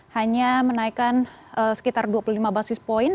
hanya menaikkan sekitar dua puluh lima basis point